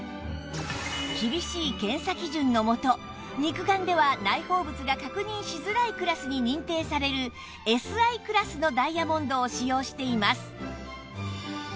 厳しい検査基準のもと肉眼では内包物が確認しづらいクラスに認定される ＳＩ クラスのダイヤモンドを使用しています